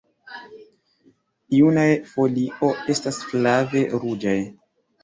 Junaj folio estas flave ruĝaj.